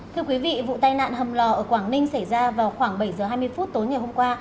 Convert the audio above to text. thưa quý vị vụ tai nạn hầm lò ở quảng ninh xảy ra vào khoảng bảy h hai mươi phút tối ngày hôm qua